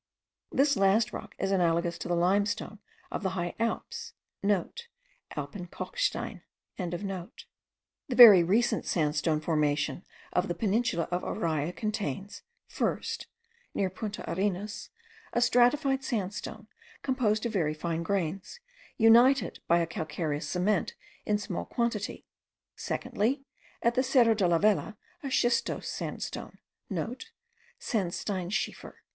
This last rock is analogous to the limestone of the high Alps.* (* Alpenkalkstein.) The very recent sandstone formation of the peninsula of Araya contains: first, near Punta Arenas, a stratified sandstone, composed of very fine grains, united by a calcareous cement in small quantity; secondly, at the Cerro de la Vela, a schistose sandstone,* (* Sandsteinschiefer.)